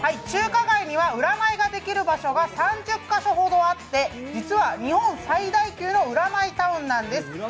中華街には占いができる場所が３０カ所ほどあって、実は日本最大級の占いタウンなんです。